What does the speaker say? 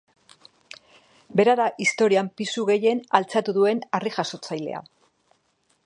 Bera da historian pisu gehien altxatu duen harri-jasotzailea.